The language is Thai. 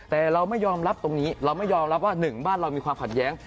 แต่เราไม่ยอมรับตรงนี้เราไม่ยอมรับว่าหนึ่งบ้านเรามีความขัดแย้ง